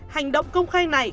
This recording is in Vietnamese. hành động công khai này